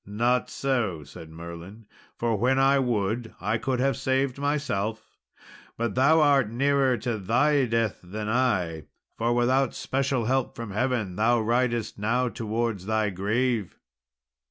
"Not so," said Merlin, "for when I would, I could have saved myself; but thou art nearer to thy death than I, for without special help from heaven thou ridest now towards thy grave."